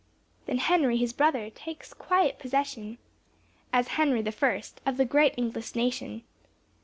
Then Henry his brother takes quiet possession, As Henry the first, of the great English nation.